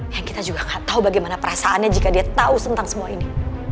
yang kita juga gak tahu bagaimana perasaannya jika dia tahu tentang semua ini